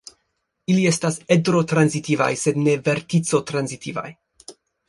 Ili estas edro-transitivaj sed ne vertico-transitivaj.